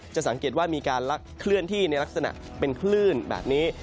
จะสังเกตว่ามีการลักเคลื่อนที่ในลักษณะเป็นคลื่นแบบนี้